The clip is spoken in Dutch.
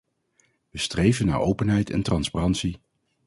We streven naar openheid en transparantie.